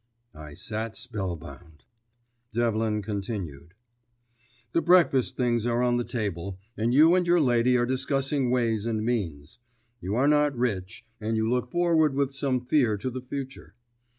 I sat spellbound. Devlin continued: "The breakfast things are on the table, and you and your lady are discussing ways and means. You are not rich, and you look forward with some fear to the future.